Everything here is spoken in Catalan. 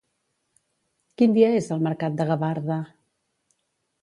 Quin dia és el mercat de Gavarda?